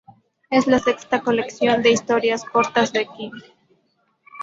Es la sexta colección de historias cortas de King.